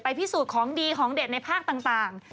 พิสูจน์ของดีของเด็ดในภาคต่าง